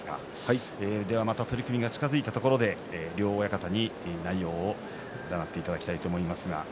また取組が近づいたところで両親方に内容を占っていただきたいと思います。